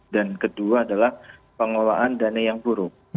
dan kedua adalah pengolahan dana yang buruk